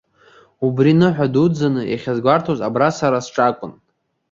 Убригьы ныҳәа дуӡӡаны иахьазгәарҭоз абра сара сҿакәын.